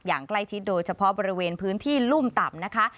อย่างใกล้ชิดโดยเฉพาะบริเวณพื้นที่รุ่มต่ำนะคะ